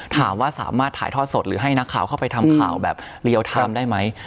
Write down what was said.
ถามว่าสามารถถ่ายทอดสดหรือให้นักข่าวเข้าไปทำข่าวแบบเรียลไทม์ได้ไหม